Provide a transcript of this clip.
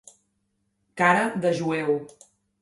Cara de jueu.